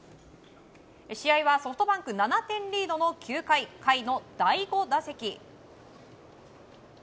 試合はソフトバンク７点リードの９回甲斐の第５打席。